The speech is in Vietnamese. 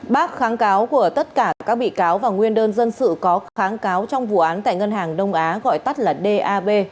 bác kháng cáo của tất cả các bị cáo và nguyên đơn dân sự có kháng cáo trong vụ án tại ngân hàng đông á gọi tắt là dab